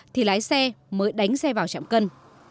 thì lái xe mới đánh xe vào trạm cân